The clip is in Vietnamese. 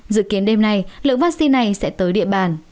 dự kiến đêm nay lượng vaccine này sẽ tới địa bàn